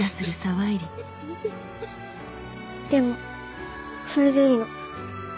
でもそれでいいの。